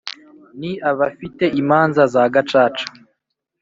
Ni abafite imanza za gacaca